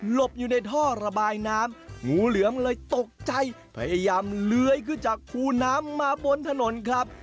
อยู่ในท่อระบายน้ำงูเหลือมเลยตกใจพยายามเลื้อยขึ้นจากคูน้ำมาบนถนนครับ